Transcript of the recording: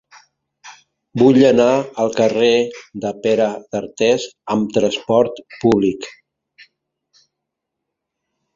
Vull anar al carrer de Pere d'Artés amb trasport públic.